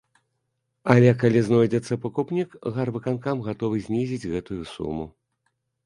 Але калі знойдзецца пакупнік, гарвыканкам гатовы знізіць гэтую суму.